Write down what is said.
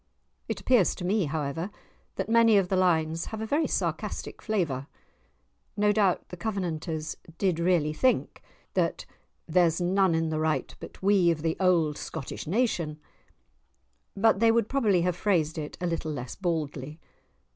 It appears to me, however, that many of the lines have a very sarcastic flavour; no doubt the Covenanters did really think that "There's none in the right but we, Of the old Scottish nation"; but they would probably have phrased it a little less baldly.